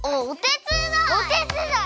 「おてつだい」！